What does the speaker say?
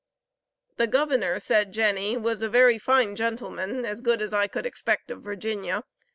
"The Governor," said Jenny, "was a very fine gentleman, as good as I could expect of Virginia.